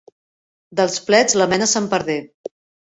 Dels plets, la mena se'n perdé.